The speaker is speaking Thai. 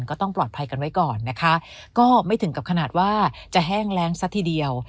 ก็ต้องปลอดภัยกันไว้ก่อนนะคะก็ไม่ถึงกับขนาดว่าจะแห้งแรงซะทีเดียว